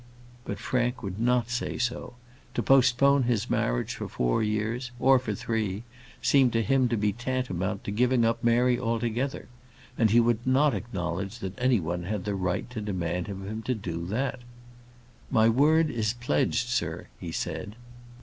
But Frank would not say so. To postpone his marriage for four years, or for three, seemed to him to be tantamount to giving up Mary altogether; and he would not acknowledge that any one had the right to demand of him to do that. "My word is pledged, sir," he said.